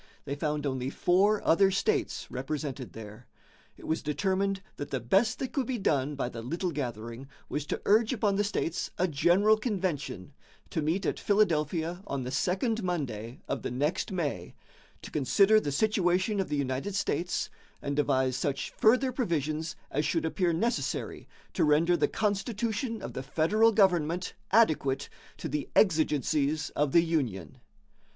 They found only four other states represented there. It was determined that the best that could be done by the little gathering was to urge upon the states a general convention, to meet at Philadelphia on the second Monday of the next May, "to consider the situation of the United States, and devise such further provisions as should appear necessary to render the constitution of the federal government adequate to the exigencies of the Union."